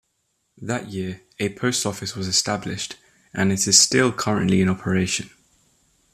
That year, a post office was established, and it is still currently in operation.